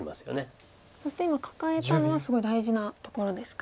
そして今カカえたのはすごい大事なところですか。